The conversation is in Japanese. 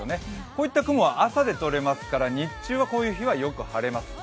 こういった雲は朝でとれますから、こういう日は日中、よく晴れます。